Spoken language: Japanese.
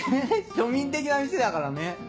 庶民的な店だからね。